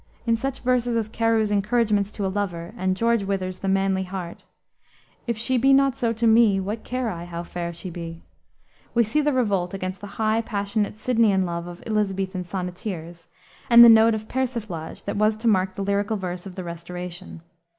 In such verses as Carew's Encouragements to a Lover, and George Wither's The Manly Heart "If she be not so to me, What care I how fair she be?" we see the revolt against the high, passionate, Sidneian love of the Elisabethan sonneteers, and the note of persiflage that was to mark the lyrical verse of the Restoration.